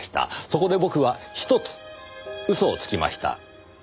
そこで僕は１つ嘘をつきました。